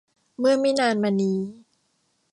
เมื่อไม่นานมานี้